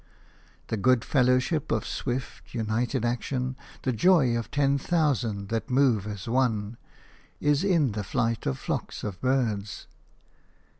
The good fellowship of swift, united action, the joy of ten thousand that move as one, is in the flight of flocks of birds.